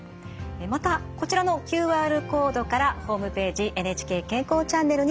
またこちらのＱＲコードからホームページ「ＮＨＫ健康チャンネル」にアクセスできます。